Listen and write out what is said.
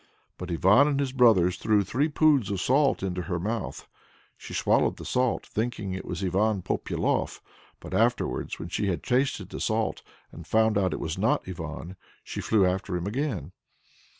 But Ivan and his brothers threw three poods of salt into her mouth. She swallowed the salt, thinking it was Ivan Popyalof, but afterwards when she had tasted the salt, and found out it was not Ivan she flew after him again.